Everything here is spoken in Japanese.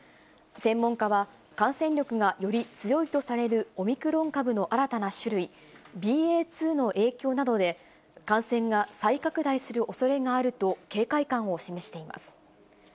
専門家は、感染力がより強いとされるオミクロン株の新たな種類、ＢＡ．２の影響などで感染が再拡大するおそれがあると警戒感を示しています。